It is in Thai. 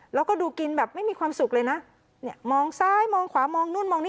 แล้วก็ดูกินไม่มีความสุขเลยนะมองซ้ายความมองนู้นมองนี่